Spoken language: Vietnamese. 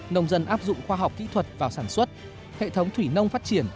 nông dân áp dụng khoa học kỹ thuật vào sản xuất hệ thống thủy nông phát triển